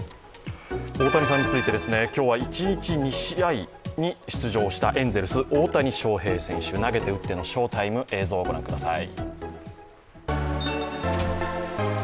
大谷さんについてですね今日は一日２試合に出場したエンゼルス、大谷翔平選手、投げて打っての翔タイム、映像ご覧ください。